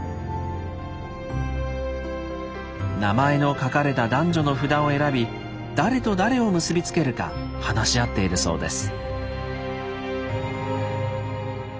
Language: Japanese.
名前の書かれた男女の札を選び誰と誰を結び付けるか話し合っているそうです。